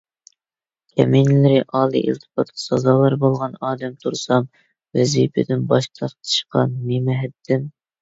كەمىنىلىرى ئالىي ئىلتىپاتقا سازاۋەر بولغان ئادەم تۇرسام، ۋەزىپىدىن باش تارتىشقا نېمە ھەددىم؟